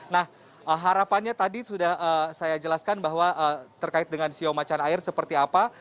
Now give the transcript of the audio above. nah harapannya tadi sudah saya jelaskan bahwa terkait dengan siomacan air seperti apa